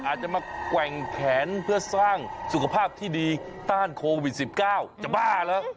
อาจจะมาแกว่งแขนเพื่อสร้างสุขภาพที่ดีต้านโควิด๑๙จะบ้าเหรอ